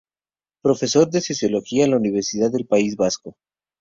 Profesor de sociología en la Universidad del País Vasco.